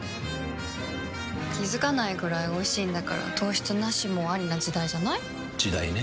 気付かないくらいおいしいんだから糖質ナシもアリな時代じゃない？時代ね。